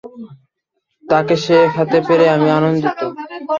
তাকে শেখাতে পেরে আমিও আনন্দিত।